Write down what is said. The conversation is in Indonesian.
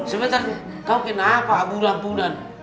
sebentar tau kenapa abu rampunan